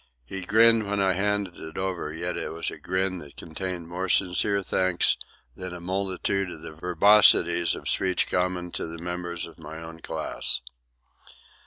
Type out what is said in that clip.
He grinned when I handed it over, yet it was a grin that contained more sincere thanks than a multitude of the verbosities of speech common to the members of my own class.